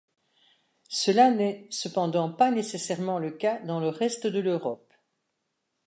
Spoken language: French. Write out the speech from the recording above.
Cela n'est cependant pas nécessairement le cas dans le reste de l'Europe.